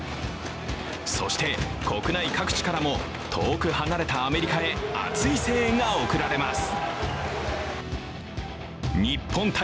そして、国内各地からも遠く離れたアメリカへ熱い声援が送られます。